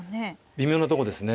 微妙なとこですね。